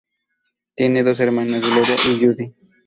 Tiene dos hermanas, Gloria y Judy.